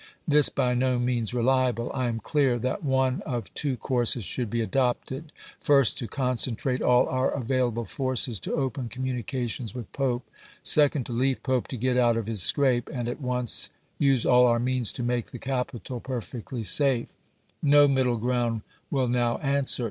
This by no means reliable, I am clear that one of two courses should be adopted : first, to concen trate all our available forces to open communications with Pope ; second, to leave Pope to get out of his scrape, and at once use all our means to make the capital per fectly safe. No middle ground will now answer.